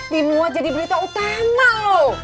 dimuat jadi berita utama lho